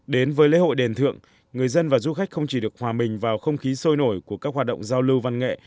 đến với lễ hội đền thượng người dân và du khách không chỉ được hòa mình vào không khí sôi nổi của các hoạt động giao lưu văn nghệ